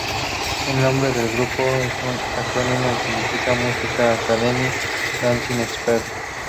El nombre del grupo es un acrónimo y significa Musical Academy Dancing Expert.